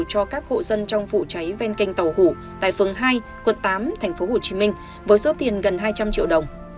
cho các hộ dân trong vụ cháy ven kênh tàu hủ tại phường hai quận tám thành phố hồ chí minh với số tiền gần hai trăm linh triệu đồng